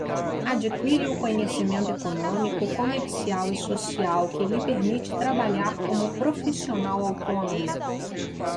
Adquire o conhecimento econômico, comercial e social que lhe permite trabalhar como profissional autônomo.